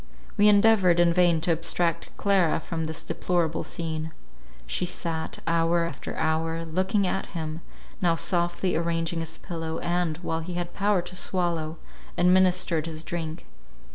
We endeavoured in vain to abstract Clara from this deplorable scene. She sat, hour after hour, looking at him, now softly arranging his pillow, and, while he had power to swallow, administered his drink.